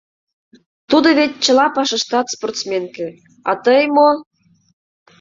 Тудо вет чыла пашаштат спортсменке, а тый — мо?..